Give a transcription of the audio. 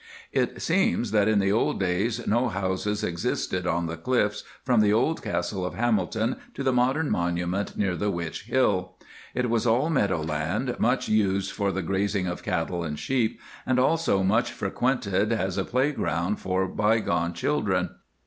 It seems that in the old days no houses existed on the Cliffs from the old Castle of Hamilton to the modern monument near the Witch Hill. It was all meadow land, much used for the grazing of cattle and sheep, and also much frequented as a playground for bygone children.